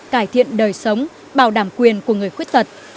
cải thiện đời sống bảo đảm quyền của người khuyết tật